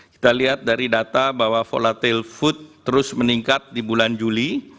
kita lihat dari data bahwa volatil food terus meningkat di bulan juli